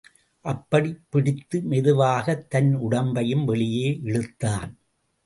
அப்படிப் பிடித்து மெதுவாகத் தன் உடம்பையும் வெளியே இழுத்தான்.